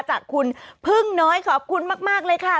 จากคุณพึ่งน้อยขอบคุณมากเลยค่ะ